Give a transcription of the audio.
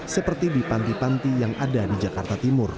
seperti di panti panti yang ada di jakarta timur